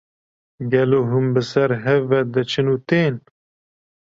Gelo hûn bi ser hev ve diçin û tên?